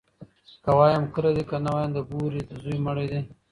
ـ که وايم کلى دى ، که نه وايم د بورې زوى مړى دى.